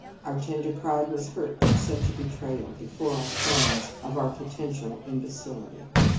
Our tender pride was hurt by such a betrayal, be fore our friends, of our potential im becility.